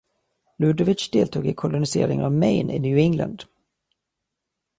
Ludovic deltog i koloniseringen av Maine i New England.